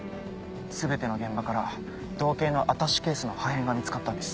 全ての現場から同型のアタッシュケースの破片が見つかったんです。